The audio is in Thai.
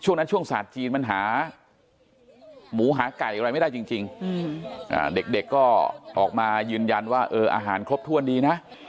ช่วงนั้นช่วงศาสตร์จีนมันหาหมูหาไก่อะไรไม่ได้จริงเด็กก็ออกมายืนยันว่าอาหารครบถ้วนดีนะ